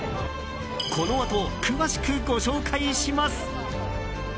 このあと詳しくご紹介します。